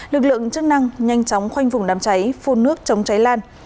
lực lượng chức năng nhanh chóng khoanh vùng đám cháy phun nước chống cháy lan